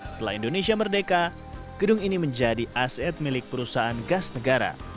setelah indonesia merdeka gedung ini menjadi aset milik perusahaan gas negara